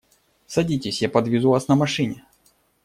Садитесь, я подвезу вас на машине.